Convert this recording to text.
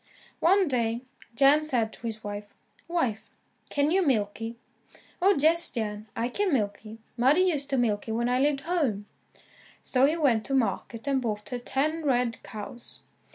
One day, Jan said to his wife, "Wife can you milk y?" "Oh, yes, Jan, I can milk y. Mother used to milk y, when I lived home." So he went to market and bought her ten red cows.